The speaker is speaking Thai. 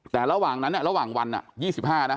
แต่ระหว่างนั้นระหว่างวัน๒๕นะ